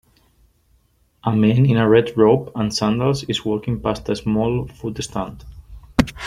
A man in a red robe and sandals is walking past a small food stand.